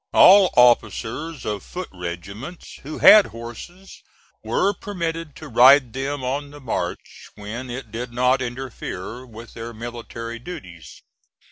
All officers of foot regiments who had horses were permitted to ride them on the march when it did not interfere with their military duties.